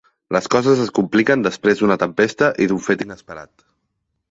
Les coses es compliquen després d’una tempesta i d’un fet inesperat.